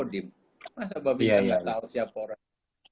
dimasa babinsanya gak tau siapa orang